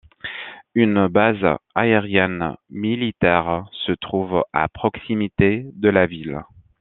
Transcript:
Une base aérienne militaire se trouve à proximité de la ville.